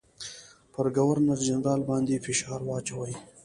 پر ګورنرجنرال باندي فشار واچوي.